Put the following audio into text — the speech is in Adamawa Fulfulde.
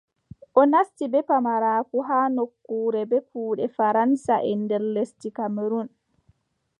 O nasti bee pamaraaku haa nokkure bee kuuɗe faraŋsaʼen nder lesdi Kamerun,